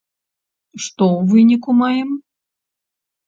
Што ў выніку маем?